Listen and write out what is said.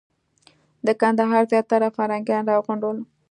د کندهار زیاتره فرهنګیان راغونډ ول.